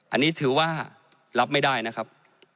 อันนี้ถือว่ารับไม่ได้นะครับ